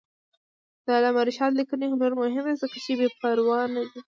د علامه رشاد لیکنی هنر مهم دی ځکه چې بېپروا نه دی.